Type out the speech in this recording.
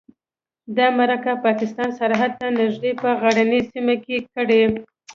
دا مرکه پاکستان سرحد ته نږدې په غرنۍ سیمه کې کړې.